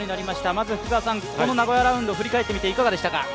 まず福澤さん、この名古屋ラウンド振り返ってどうですか。